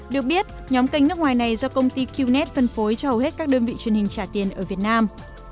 được biết nhóm kênh nước ngoài này do công ty qnet phân phối cho hầu hết các đơn vị truyền hình trả tiền ở việt nam